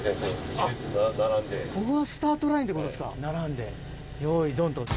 ここがスタートラインってことですか並んでよいドンと。